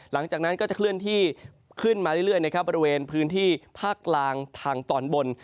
หลังจากนั้นก็จะเคลื่อนที่ขึ้นมาเรื่อยนะครับบริเวณพื้นที่ภาคกลางทางตอนบน